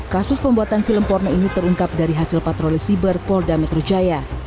kasus pembuatan film porno ini terungkap dari hasil patroli siber polda metro jaya